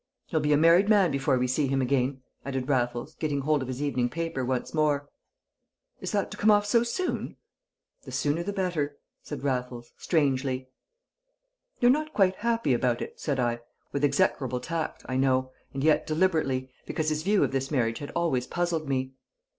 He'll be a married man before we see him again," added Raffles, getting hold of his evening paper once more. "Is that to come off so soon?" "The sooner the better," said Raffles, strangely. "You're not quite happy about it," said I, with execrable tact, I know, and yet deliberately, because his view of this marriage had always puzzled me.